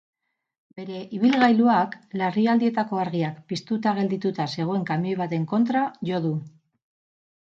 Bere ibilgailuak larrialdietako argiak piztuta geldituta zegoen kamioi baten kontra jo du.